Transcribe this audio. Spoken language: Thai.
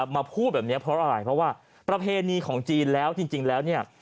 พูดแบบนี้เพราะอะไรเพราะว่าประเพณีของจีนแล้วจริงแล้วเนี่ย